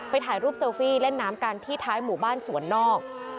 ถ่ายรูปเซลฟี่เล่นน้ำกันที่ท้ายหมู่บ้านสวนนอก